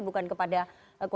bukan kepada pak prabowo